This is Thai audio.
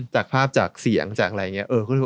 จากภาพจากเสียงจากอะไรอย่างนี้